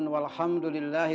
teh tunggu teh